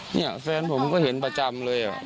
เนี่ยแฟนผมก็เห็นประจำเลย